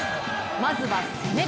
まずは攻める！